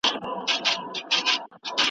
تولیدات د جګړي په دوران کي هم روان وو.